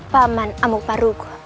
paman amu parugu